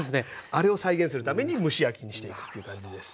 あれを再現するために蒸し焼きにしていくっていう感じです。